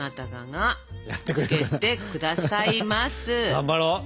頑張ろう。